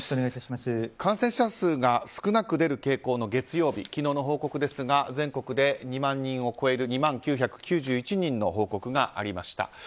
感染者数が少なく出る傾向の月曜日昨日の報告ですが全国で２万人を超える２万９９１人の報告がありました。